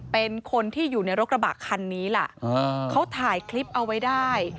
เป็นคนที่อยู่ในรถกระบะคันนี้ล่ะเขาถ่ายคลิปเอาไว้ได้